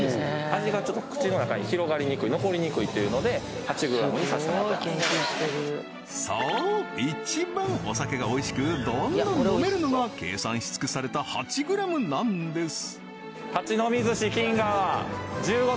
味が口の中に広がりにくい残りにくいというので８ｇにさせてもらってますそう一番お酒がおいしくどんどん飲めるのが計算し尽くされた８ｇなんです！